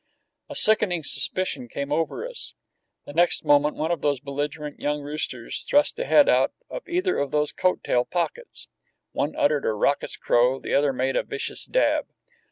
A sickening suspicion came over us. The next moment one of those belligerent young roosters thrust a head out of either of those coat tail pockets. One uttered a raucous crow, the other made a vicious dab.